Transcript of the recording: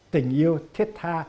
tình yêu thiết tha